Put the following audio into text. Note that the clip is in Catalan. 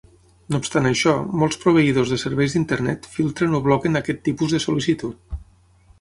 No obstant això, molts proveïdors de serveis d'Internet filtren o bloquen aquest tipus de sol·licitud.